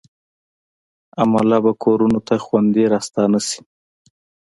عمله به کورونو ته خوندي راستانه شي.